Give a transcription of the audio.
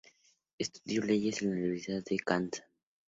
Estudió leyes en la Universidad de Kazan.